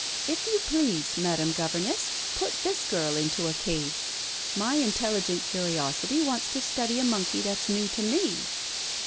If you please, madam governess, put this girl into a cage. My intelligent curiosity wants to study a monkey that's new to me."